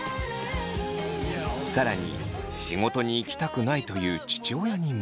更に仕事に行きたくないという父親にも。